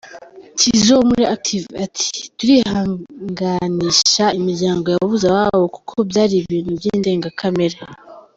Tizzo wo muri Active ati “Turihanganisaha imiryango yabuze ababo kuko byari ibintu by’indengakamere.